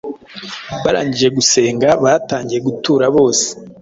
Barangije gusenga batangiye gutura bose